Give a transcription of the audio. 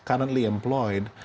yang sudah berpengalaman